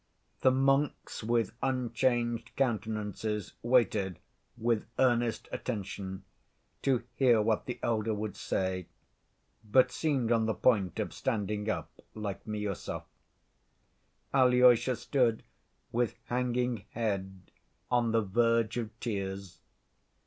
The monks, with unchanged countenances, waited, with earnest attention, to hear what the elder would say, but seemed on the point of standing up, like Miüsov. Alyosha stood, with hanging head, on the verge of tears.